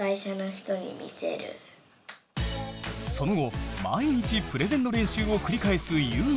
その後毎日プレゼンの練習を繰り返すゆうまくん。